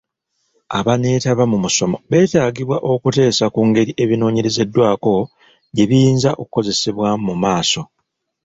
Abaneetaba mu musomo betaagibwa okuteesa ku ngeri ebinoonyerezeddwako gye biyinza okukozesebwa mu maaso.